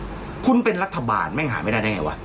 หรือคุณเป็นรัฐบาลแม่งหาไม่ได้